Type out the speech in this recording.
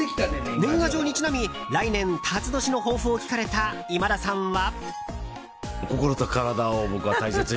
年賀状にちなみ、来年・辰年の抱負を聞かれた今田さんは。